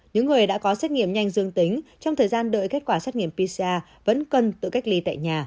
những người đã có xét nghiệm nhanh dương tính trong thời gian đợi kết quả xét nghiệm pcr vẫn cần tự cách ly tại nhà